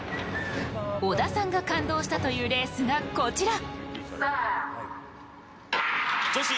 織田さんが感動したというレースがこちら。